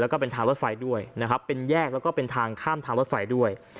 แล้วก็เป็นทางรถไฟด้วยนะครับเป็นแยกแล้วก็เป็นทางข้ามทางรถไฟด้วย